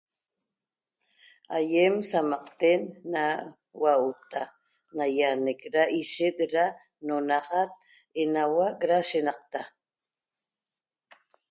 Ayem sa'amaqten na hua'auta nayaanec da ishet da no'onaxat enauac da shenaqta